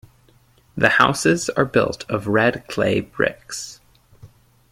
The houses are built of red clay bricks.